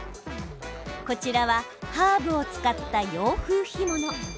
こちらはハーブを使った洋風干物。